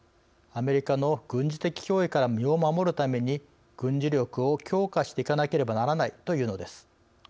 アメリカの軍事的脅威から身を守るために軍事力を強化していかなければならないというのです。